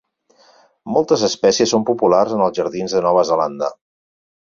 Moltes espècies són populars en els jardins de Nova Zelanda.